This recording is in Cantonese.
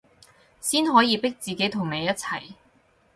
先可以逼自己同你一齊